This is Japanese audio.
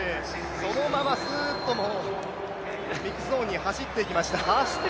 そのままスッとミックスゾーンに走っていきました。